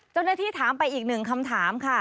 เจ้าหน้าที่ถามไปอีกหนึ่งคำถามค่ะ